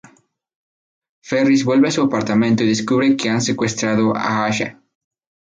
Ferris vuelve a su apartamento y descubre que han secuestrado a Aisha.